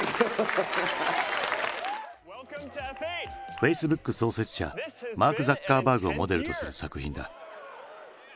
Ｆａｃｅｂｏｏｋ創設者マーク・ザッカーバーグをモデルとする作品だ。